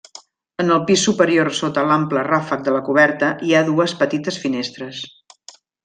En el pis superior sota l'ample ràfec de la coberta hi ha dues petites finestres.